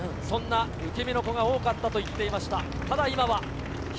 そんな受け身の子が多かったと言っていました。